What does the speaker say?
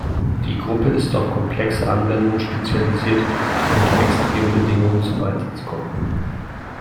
Die Gruppe ist auf komplexe Anwendungen spezialisiert, die unter Extrembedingungen zum Einsatz kommen.